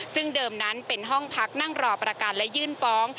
ซึ่งเดิมนั้นเป็นห้องพักนั่งรอประกันและยื่นฟ้อง